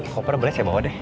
koper boleh saya bawa deh